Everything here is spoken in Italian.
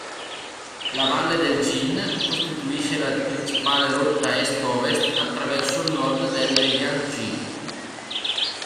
La valle del Jin costituisce la principale rotta est-ovest attraverso il nord del Jiangxi.